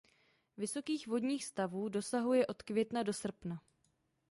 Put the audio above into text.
Vysokých vodních stavů dosahuje od května do srpna.